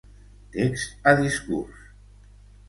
Text a discurs.